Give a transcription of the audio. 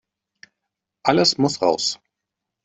Alles muss raus.